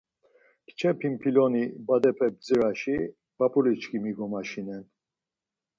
Kçe pimpiloni badepe bdziraşi p̌ap̌uliçkimi gomaşinen.